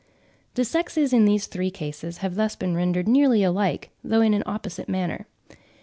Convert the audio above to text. The sexes in these three cases have thus been rendered nearly alike, though in an opposite manner.